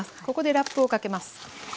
ここでラップをかけます。